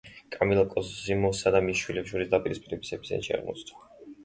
კამილა კოზიმოსა და მის შვილებს შორის დაპირისპირების ეპიცენტრში აღმოჩნდა.